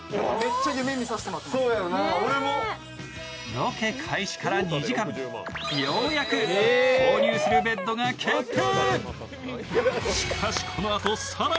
ロケ開始から２時間、ようやく購入するベッドが決定！